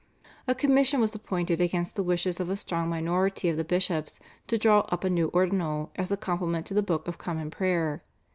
A commission was appointed against the wishes of a strong minority of the bishops to draw up a new Ordinal as a complement to the Book of Common Prayer.